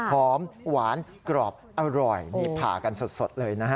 หอมหวานกรอบอร่อยนี่ผ่ากันสดเลยนะฮะ